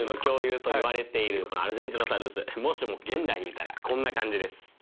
もしも現代にいたらこんな感じです。